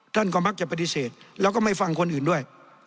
ท่านก็มักจะปฏิเสธแล้วก็ไม่ฟังคนอื่นด้วย